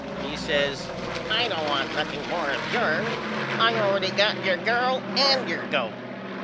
He says I don't want nothing more of yourn. I allready got your girl and your goat.